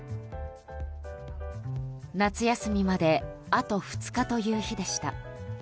夏休みまであと２日という日でした。